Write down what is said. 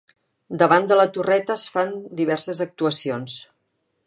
Davant de la torreta es fan diverses actuacions.